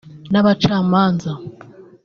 nta bacamanza